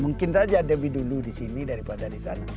mungkin saja lebih dulu disini daripada disana